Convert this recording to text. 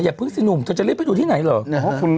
อย่าพึ่งสิหนุ่มเธอจะเล่นไปดูที่ไหนหรือ